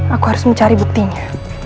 aku harus mencari buktinya